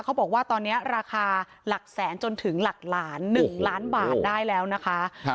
เขาบอกว่าตอนนี้ราคาหลักแสนจนถึงหลักล้าน๑ล้านบาทได้แล้วนะคะ